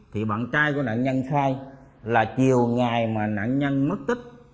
thì bạn trai của nạn nhân khai là chiều ngày mà nạn nhân mất tích